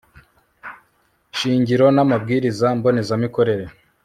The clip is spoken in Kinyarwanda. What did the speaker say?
shingiro n amabwiriza mbonezamikorere